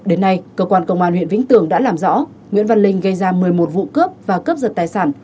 đến nay cơ quan công an huyện vĩnh tường đã làm rõ nguyễn văn linh gây ra một mươi một vụ cướp và cướp giật tài sản